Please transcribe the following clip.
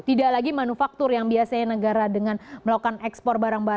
tidak lagi manufaktur yang biasanya negara dengan melakukan ekspor barang barang